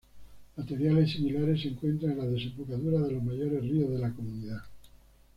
Materiales similares se encuentra en las desembocaduras de los mayores ríos de la comunidad.